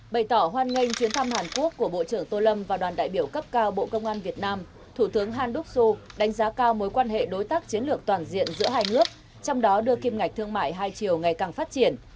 bày tỏ hoan nghênh chuyến thăm hàn quốc của bộ trưởng tô lâm và đoàn đại biểu cấp cao bộ công an việt nam thủ tướng handock su đánh giá cao mối quan hệ đối tác chiến lược toàn diện giữa hai nước trong đó đưa kim ngạch thương mại hai chiều ngày càng phát triển